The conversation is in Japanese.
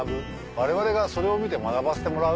われわれがそれを見て学ばせてもらう。